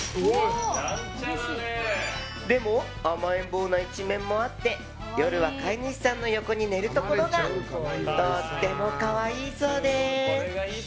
でも、甘えん坊な一面もあって夜は、飼い主さんの横に寝るところがとっても可愛いそうです。